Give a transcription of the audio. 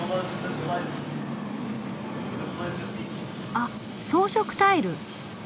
あ装飾タイル。